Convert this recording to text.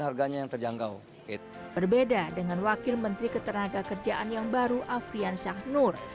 harganya yang terjangkau itu berbeda dengan wakil menteri ketenagakerjaan yang baru afriansyah nur